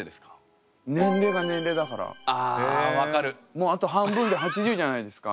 もうあと半分で８０じゃないですか。